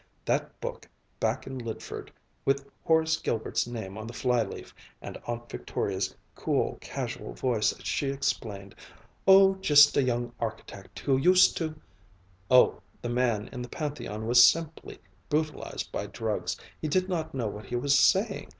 That book, back in Lydford, with Horace Gilbert's name on the fly leaf, and Aunt Victoria's cool, casual voice as she explained, "Oh, just a young architect who used to " Oh, the man in the Pantheon was simply brutalized by drugs; he did not know what he was saying.